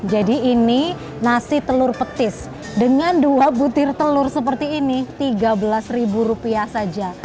jadi ini nasi telur petis dengan dua butir telur seperti ini tiga belas rupiah saja